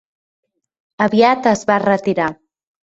Aviat es va retirar.